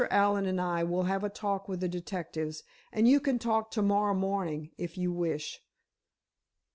Allen and I will have a talk with the detectives, and you can talk to morrow morning, if you wish."